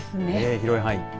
広い範囲。